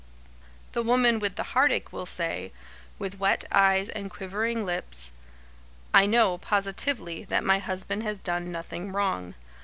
The woman with the heartache will say, with wet eyes and quivering lips: "I know, positively, that my husband has done nothing wrong.